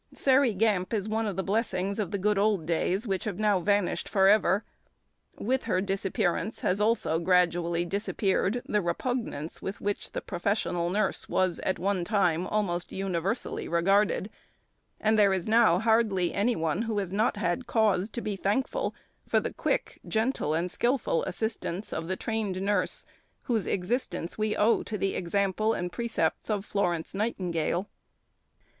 "Sairey Gamp" is one of the blessings of the good old days which have now vanished for ever; with her disappearance has also gradually disappeared the repugnance with which the professional nurse was at one time almost universally regarded; and there is now hardly any one who has not had cause to be thankful for the quick, gentle, and skilful assistance of the trained nurse whose existence we owe to the example and precepts of Florence Nightingale.